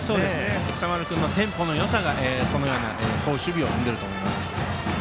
今朝丸君のテンポのよさがそのような好守備を生んでいると思います。